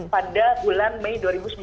pada bulan mei dua ribu sembilan belas